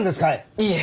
いいえ！